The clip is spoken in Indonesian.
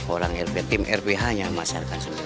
orang rph tim rph tidak perlu masyarakat sendiri di luar